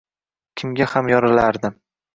Kimga ham yorilardim